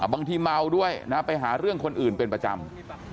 บางทีเมาด้วยนะไปหาเรื่องคนอื่นเป็นประจำ